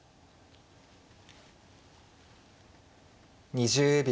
２０秒。